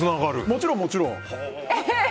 もちろん、もちろん。